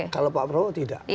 kalau pak prabowo tidak